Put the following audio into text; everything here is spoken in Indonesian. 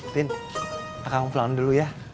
rin kakak mau pulang dulu ya